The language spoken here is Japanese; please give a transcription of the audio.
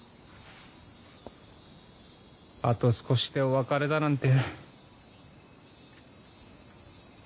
あと少しでお別れだなんて